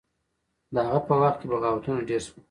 د هغه په وخت کې بغاوتونه ډیر شول.